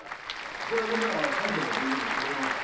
宅配便ならサインでも拇印でも受け取れます。